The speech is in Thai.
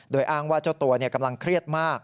โดยอ้างว่าเจ้าตัวกำลังเครียดมาก